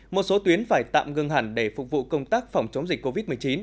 một số tuyến phải tạm ngưng hẳn để phục vụ công tác phòng chống dịch covid một mươi chín